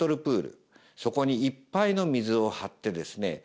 プールそこにいっぱいの水を張ってですね